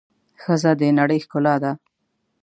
ښځه د د نړۍ ښکلا ده.